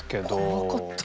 怖かった。